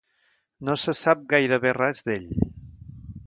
No se sap gairebé res d'ell.